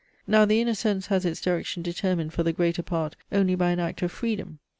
Now the inner sense has its direction determined for the greater part only by an act of freedom.